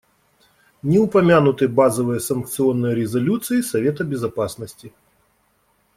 Не упомянуты базовые санкционные резолюции Совета Безопасности.